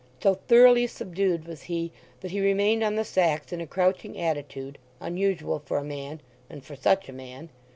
So thoroughly subdued was he that he remained on the sacks in a crouching attitude, unusual for a man, and for such a man.